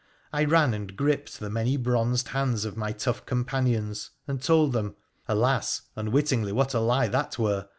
I ran and gripped the many bronzed handa of my tough companions, and told them (alas ! unwittingly what a lie that were